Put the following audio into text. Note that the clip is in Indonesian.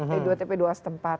p dua tp dua setempat